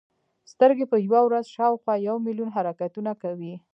سترګې په یوه ورځ شاوخوا یو ملیون حرکتونه کوي.